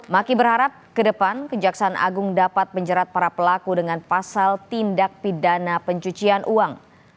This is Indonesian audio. maki berharap ke depan kejaksaan agung dapat menjerat para pelaku dengan pasal tindak pidana pencucian uang